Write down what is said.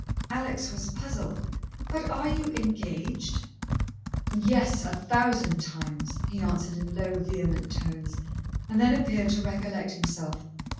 Alex was puzzled. "But are you engaged?" "Yes, a thousand times!" he answered in low, vehement tones, and then appeared to recollect himself.